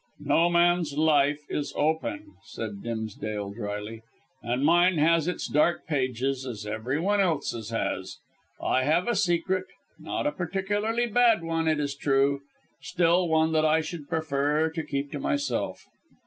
"No man's life is open," said Dimsdale drily; "and mine has its dark pages as everyone else's has. I have a secret; not a particularly bad one, it is true. Still, one that I should prefer to keep to myself."